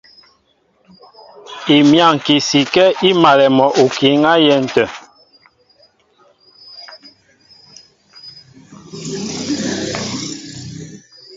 Imyáŋki sikɛ́ í malɛ mɔ okǐ á yɛ́n tə̂.